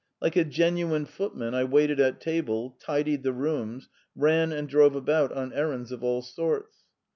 Like a genuine footman, I waited at table, tidied the rooms, ran and drove about on errands of all sorts.